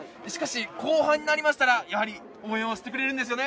後半になりましたら、やはり応援をしてくれるんですよね。